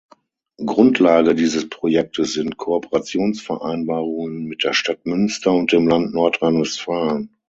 Grundlage dieses Projektes sind Kooperationsvereinbarungen mit der Stadt Münster und dem Land Nordrhein-Westfalen.